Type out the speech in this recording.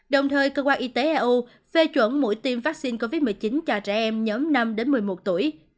đồng thời cơ quan y tế eu phê chuẩn mũi tiêm vaccine covid một mươi chín cho trẻ em nhóm năm đến một mươi một tuổi